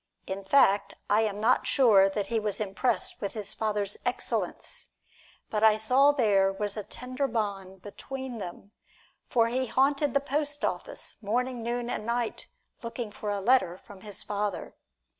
In fact, I am not sure that he was impressed with his father's excellence, but I saw there was a tender bond between them, for he haunted the post office, morning, noon and night, looking for a letter from his father.